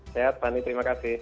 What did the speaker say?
sehat tani terima kasih